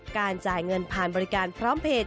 การจ่ายเงินผ่านบริการพร้อมเพจ